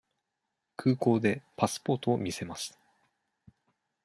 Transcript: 空港でパスポートを見せます。